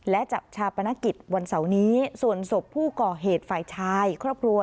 และจัดชาปนกิจวันเสาร์นี้ส่วนศพผู้ก่อเหตุฝ่ายชายครอบครัว